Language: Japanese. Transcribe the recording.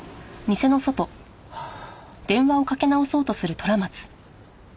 はあ。